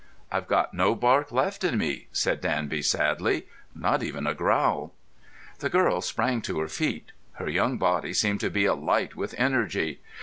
"I've got no bark left in me," said Danby sadly. "Not even a growl." The girl sprang to her feet. Her young body seemed to be alight with energy.